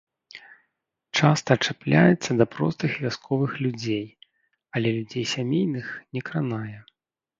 Часта чапляецца да простых вясковых людзей, але людзей сямейных не кранае.